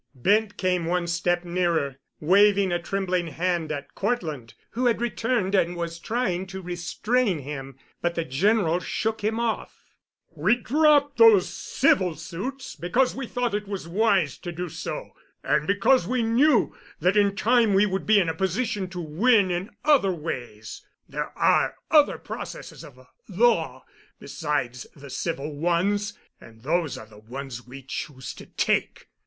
Bent came one step nearer, waving a trembling hand at Cortland, who had returned and was trying to restrain him. But the General shook him off. "We dropped those civil suits because we thought it was wise to do so, and because we knew that in time we would be in a position to win in other ways. There are other processes of law besides the civil ones, and those are the ones we choose to take.